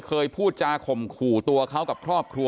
เคยพูดจาข่มขู่ตัวเขากับครอบครัว